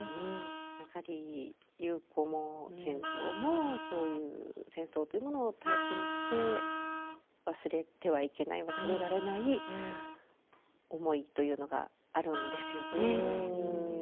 やはり優子も賢三もそういう戦争というものを体験して忘れてはいけない忘れられない思いというのがあるんですよね。